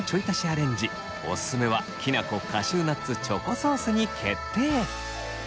アレンジおすすめはきなこカシューナッツチョコソースに決定。